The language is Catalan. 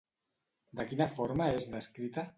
De quina forma és descrita?